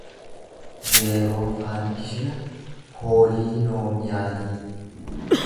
zeeroo faankishina pooliinoomiyaalii